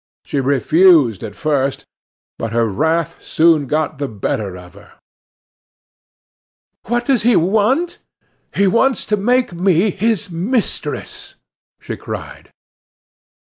She refused at first; but her wrath soon got the better of her. "What does he want? He wants to make me his mistress!" she cried.